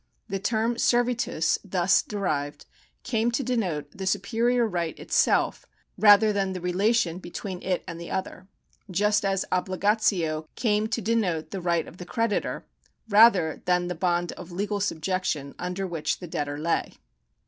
The term servitus, thus derived, came to denote the superior right itself rather than the relation between it and the other ; just as obligatio came to denote the right of the creditor, rather than the bond of legal sub jection under which the debtor lay.